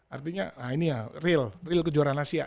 artinya nah ini ya real real kejuaraan asia